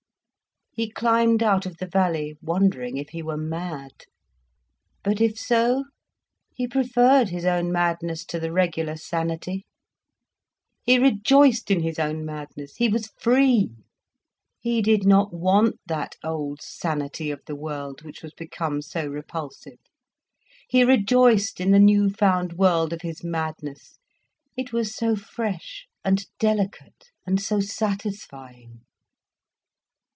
He climbed out of the valley, wondering if he were mad. But if so, he preferred his own madness, to the regular sanity. He rejoiced in his own madness, he was free. He did not want that old sanity of the world, which was become so repulsive. He rejoiced in the new found world of his madness. It was so fresh and delicate and so satisfying.